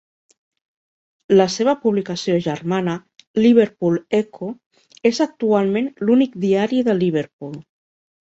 La seva publicació germana, "Liverpool Echo", és actualment l'únic diari de Liverpool.